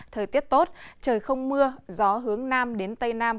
thời tiết tốt trời không mưa gió hướng nam đến tây nam